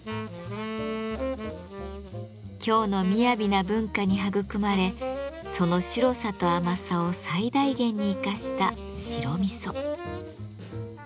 京のみやびな文化に育まれその白さと甘さを最大限に生かした白味噌。